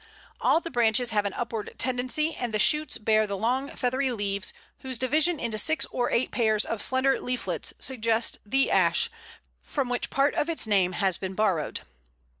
All the branches have an upward tendency, and the shoots bear the long feathery leaves, whose division into six or eight pairs of slender leaflets suggests the Ash, from which part of its name has been borrowed.